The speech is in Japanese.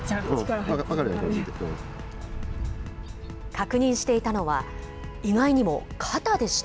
確認していたのは、意外にも肩でした。